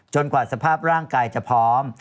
กว่าสภาพร่างกายจะพร้อม